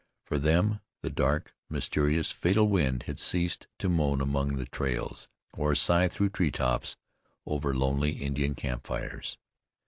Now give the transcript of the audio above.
For them the dark, mysterious, fatal wind had ceased to moan along the trails, or sigh through tree tops over lonely Indian camp fires.